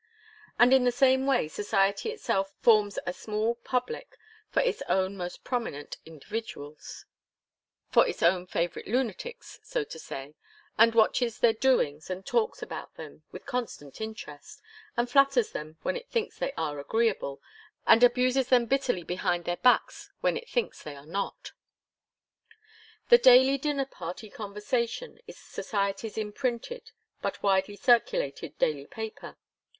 And in the same way society itself forms a small public for its own most prominent individuals, for its own favourite lunatics, so to say, and watches their doings and talks about them with constant interest, and flatters them when it thinks they are agreeable, and abuses them bitterly behind their backs when it thinks they are not. The daily dinner party conversation is society's imprinted but widely circulated daily paper.